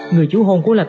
người chú hôn của lạc thế